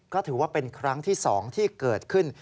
ก็ถือว่าเป็นครั้งที่๒ที่เกิดขึ้น